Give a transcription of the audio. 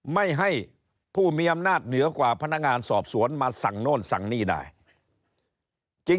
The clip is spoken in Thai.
ไม่ให้ผู้มีอำนาจเหนือกว่าพนักงานสอบสวนมาสั่งโน่นสั่งนี่ได้